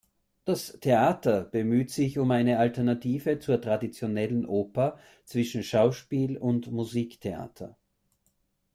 Das Theater bemüht sich um eine Alternative zur traditionellen Oper zwischen Schauspiel und Musiktheater.